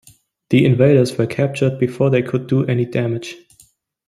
The invaders were captured before they could do any damage.